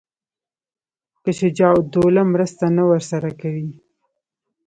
که شجاع الدوله مرسته نه ورسره کوي.